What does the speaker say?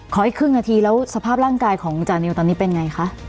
อีกครึ่งนาทีแล้วสภาพร่างกายของจานิวตอนนี้เป็นไงคะ